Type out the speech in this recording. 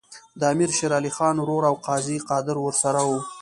د امیر شېر علي خان ورور او قاضي قادر ورسره وو.